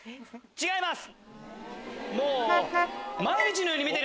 違います！